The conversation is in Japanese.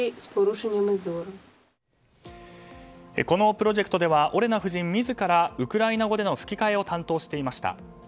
このプロジェクトではオレナ夫人自らウクライナ語での吹き替えを担当していました。